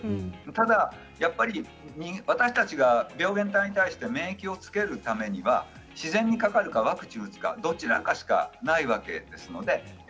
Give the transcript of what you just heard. ただ私たちが病原体に対して免疫を作るためには自然にかかるかワクチンを打つかどちらかしかないわけです。